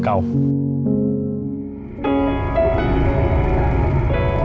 เราก็พยายามดิ้นลนหาลูกค้าให้มากขึ้น